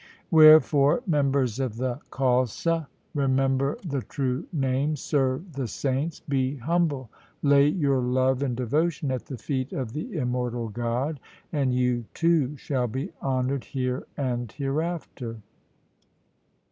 Wherefore, members of the Khalsa, SIKH. V I H4 THE SIKH RELIGION remember the true Name, serve the saints, be humble, lay your love and devotion at the feet of the immortal God, and you too shall be honoured here and hereafter.'